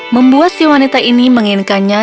membuat si wanita ini menginginkannya